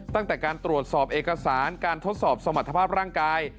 ตั้งแต่การตรวจสอบเอกสารการทดสอบสมรรถภาพร่างกาย